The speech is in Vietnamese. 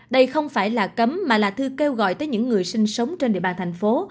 đây không phải là cấm mà là thư kêu gọi tới những người sinh sống trên địa bàn thành phố